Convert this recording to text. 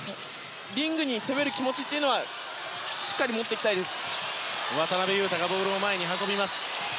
リングに攻める気持ちをしっかり持っていきたいです。